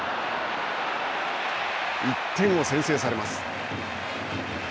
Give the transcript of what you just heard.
１点を先制されます。